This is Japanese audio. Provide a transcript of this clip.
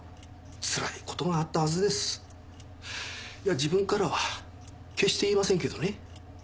自分からは決して言いませんけどね。